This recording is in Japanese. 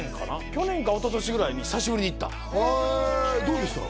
去年かおととしぐらいに久しぶりに行ったへえどうでした？